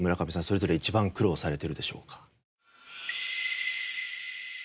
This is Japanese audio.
それぞれ一番苦労されているでしょうか？